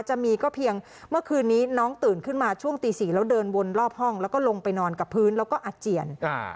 จะมีก็เพียงเมื่อคืนนี้น้องตื่นขึ้นมาช่วงตี๔แล้วเดินวนรอบห้องแล้วก็ลงไปนอนกับพื้นแล้วก็อาเจียน